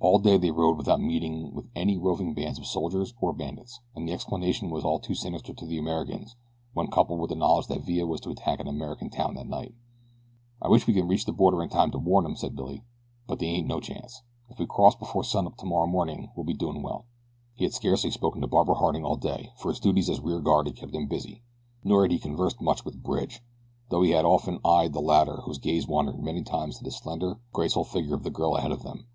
All day they rode without meeting with any roving bands of soldiers or bandits, and the explanation was all too sinister to the Americans when coupled with the knowledge that Villa was to attack an American town that night. "I wish we could reach the border in time to warn 'em," said Billy; "but they ain't no chance. If we cross before sunup tomorrow morning we'll be doin' well." He had scarcely spoken to Barbara Harding all day, for his duties as rear guard had kept him busy; nor had he conversed much with Bridge, though he had often eyed the latter whose gaze wandered many times to the slender, graceful figure of the girl ahead of them.